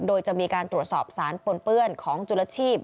โดยจะมีการตรวจสอบสารปนเปื้อนของจุลชีพ